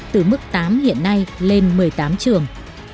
từ mức tám hiện nay lên một mươi tám trường